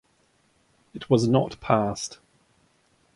It was not passed.